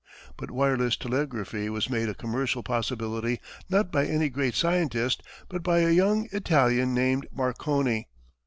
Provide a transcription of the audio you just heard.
But wireless telegraphy was made a commercial possibility not by any great scientist, but by a young Italian named Marconi.